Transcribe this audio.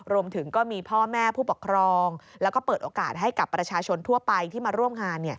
รวมถึงก็มีพ่อแม่ผู้ปกครองแล้วก็เปิดโอกาสให้กับประชาชนทั่วไปที่มาร่วมงาน